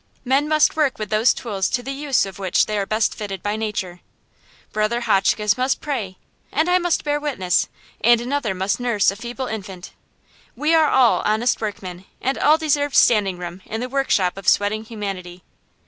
Men must work with those tools to the use of which they are best fitted by nature. Brother Hotchkins must pray, and I must bear witness, and another must nurse a feeble infant. We are all honest workmen, and deserve standing room in the workshop of sweating humanity.